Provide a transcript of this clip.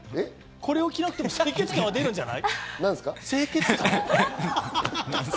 これを着なくても清潔感は出るんじゃない？